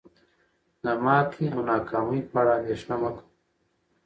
د ماتې او ناکامۍ په اړه اندیښنه مه کوه.